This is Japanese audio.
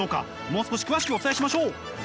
もう少し詳しくお伝えしましょう。